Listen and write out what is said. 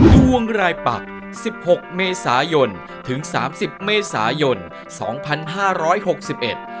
ดวงรายปักสิบหกเมษายนถึงสามสิบเมษายนสองพันห้าร้อยหกสิบเอ็ด